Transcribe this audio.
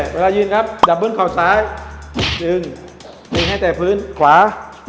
เวลายืนครับดับบนเขาซ้ายดึงดึงให้แต่พื้นขวา